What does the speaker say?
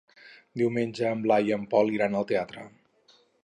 Diumenge en Blai i en Pol iran al teatre.